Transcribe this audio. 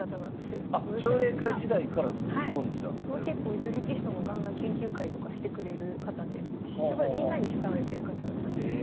結構女流棋士ともガンガン研究会とかしてくれる方ですごいみんなに慕われてる方だったので。